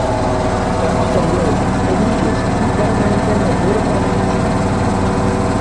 La coda è lunga ed inclusa interamente nell'uropatagio.